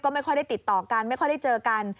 ไม่ค่อยได้ติดต่อกันไม่ค่อยได้เจอกัน